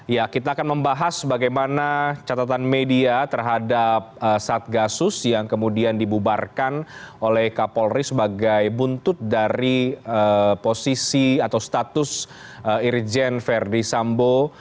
ya kita akan membahas bagaimana catatan media terhadap satgasus yang kemudian dibubarkan oleh kapolri sebagai buntut dari posisi atau status irjen verdi sambo